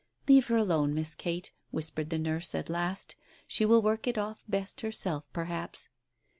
"Leave her alone, Miss Kate," whispered the nurse at last; "she will work it off best herself, perhaps."